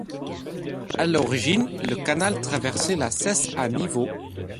À l'origine, le canal traversait la Cesse à niveau.